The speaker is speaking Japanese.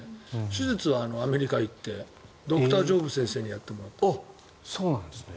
手術はアメリカに行ってドクタージョブ先生にやってもらった。